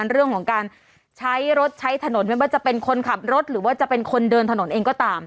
เรื่องของการใช้รถใช้ถนนไม่ว่าจะเป็นคนขับรถหรือว่าจะเป็นคนเดินถนนเองก็ตาม